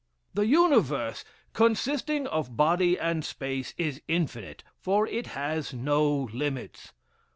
"The universe, consisting of body and space, is infinite, for it has no limits.